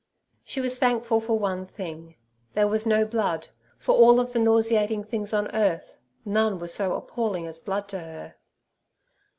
She was thankful for one thing—there was no blood, for of all the nauseating things on earth, none were so appalling as blood to her.